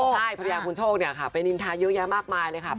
ใช่ภรรยาคุณโชคนะคะไปนินทรายักษ์มากมายเลยค่ะ